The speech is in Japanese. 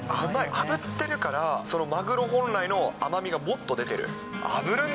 あぶってるから、マグロ本来の甘みがもっと出てる。